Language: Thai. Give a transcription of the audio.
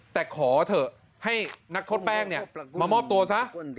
แต่ขอเถอะให้นักโทษแป้งมามอบตัวซะ